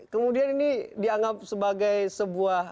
kemudian ini dianggap sebagai sebuah